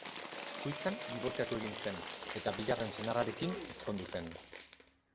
Suitzan dibortziatu egin zen, eta bigarren senarrarekin ezkondu zen.